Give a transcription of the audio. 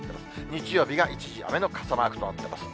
日曜日が一時雨の傘マークとなっています。